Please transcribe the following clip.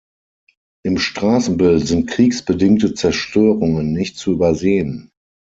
Im Straßenbild sind kriegsbedingte Zerstörungen nicht zu übersehen.